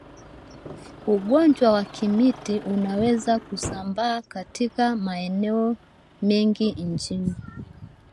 Ugonjwa wa kimeta unaweza kusambaa katika maeneo mengi ya nchi